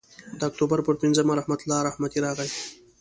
د اکتوبر پر پینځمه رحمت الله رحمتي راغی.